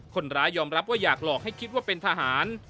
คนร้ายยอมรับว่าอยากหลอกให้คิดว่าเป็นทหาร